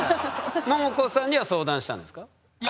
ももこさんには相談したんですか？